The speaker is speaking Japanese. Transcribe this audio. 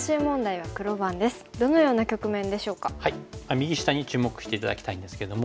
右下に注目して頂きたいんですけども。